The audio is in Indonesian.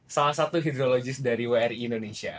salah satu ideologis dari wri indonesia